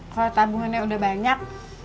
kalau tabungannya udah banyak